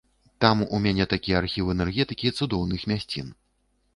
Там у мяне такі архіў энергетыкі цудоўных мясцін.